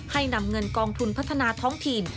นำเงินกองทุนพัฒนาท้องถิ่น